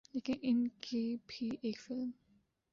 لیکن ان کی بھی ایک فلم